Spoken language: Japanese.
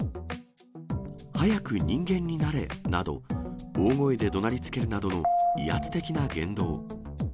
早く人間になれなど、大声でどなりつけるなどの威圧的な言動。